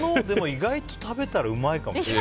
意外と食べたらうまいかも。